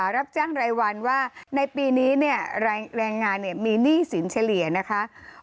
รับจ้างรายวันว่าในปีนี้เนี่ยแรงงานมีหนี้สินเฉลี่ยนะคะ